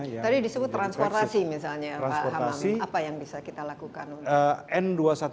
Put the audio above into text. tadi disebut transportasi misalnya pak hamam apa yang bisa kita lakukan